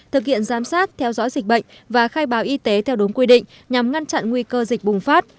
thực hiện giám sát theo dõi dịch bệnh và khai báo y tế theo đúng quy định nhằm ngăn chặn nguy cơ dịch bùng phát